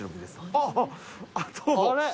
あっあれ？